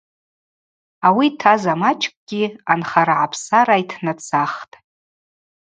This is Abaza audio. Ауи йтаз амачӏкӏгьи анхара гӏапсара йтнацахтӏ.